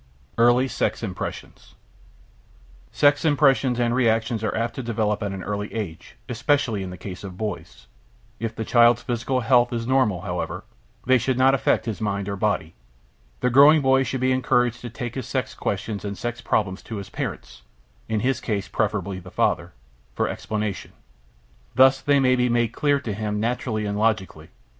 EARLY SEX IMPRESSIONS Sex impressions and reactions are apt to develop at an early age, especially in the case of boys. If the child's physical health is normal, however, they should not affect his mind or body. The growing boy should be encouraged to take his sex questions and sex problems to his parents (in his case preferably the father) for explanation. Thus they may be made clear to him naturally and logically.